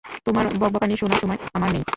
তোমার বকবকানি শোনার সময় আমার নেই।